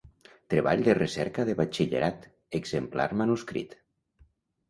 Treball de recerca de Batxillerat, exemplar manuscrit.